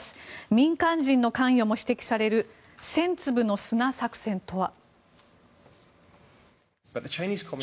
民間人の関与も指摘される千粒の砂作戦とは。